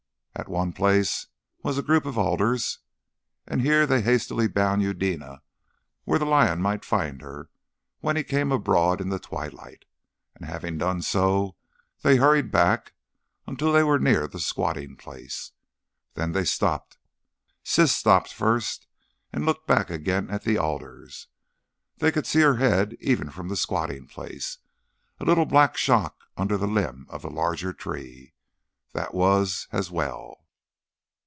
At one place was a group of alders, and here they hastily bound Eudena where the lion might find her when he came abroad in the twilight, and having done so they hurried back until they were near the squatting place. Then they stopped. Siss stopped first and looked back again at the alders. They could see her head even from the squatting place, a little black shock under the limb of the larger tree. That was as well.